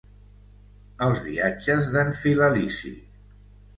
Els viatges d’en Filalici.